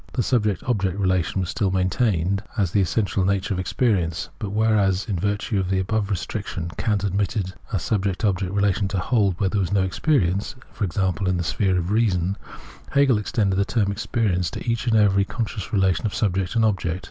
The subject object relation was still maintained as the essential nature of experience, but whereas, in virtue of the above restric Translator's Introduction xvii tion, Kant admitted a subject object relation to hold where there was no experience (e.g. in the sphere of 'I reason "), Hegel extended the term ' experience ' to each and every consciouf relation of subject and object.